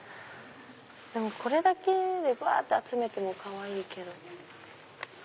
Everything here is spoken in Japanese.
これだけでぶわって集めてもかわいいけど。